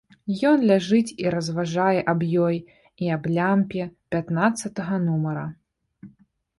Ён ляжыць і разважае аб ёй і аб лямпе пятнаццатага нумара.